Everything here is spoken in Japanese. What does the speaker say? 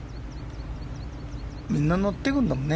みんな乗ってくるんだもんね。